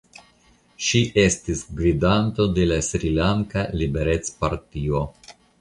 Ŝi estis gvidanto de la Srilanka Liberecpartio.